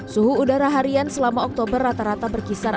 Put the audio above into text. suhu udara harian selama oktober rata rata berkisar